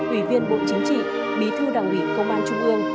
ủy viên bộ chính trị bí thư đảng ủy công an trung ương